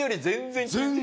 全然！